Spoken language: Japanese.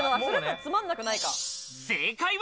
正解は。